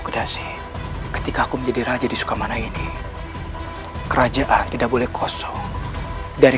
kedasi teaspoon jadi raja di sukamana ini kerajaan tidak boleh kosong dari